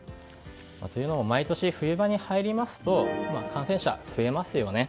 というのも毎年、冬場に入りますと感染者が増えますよね。